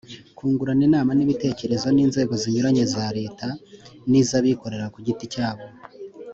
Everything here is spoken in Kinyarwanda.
kungurana inama n'ibitekerezo n'inzego zinyuranye za leta n'iz'abikorera ku giti cyabo